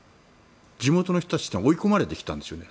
地元の人たちが追い込まれてきたんです。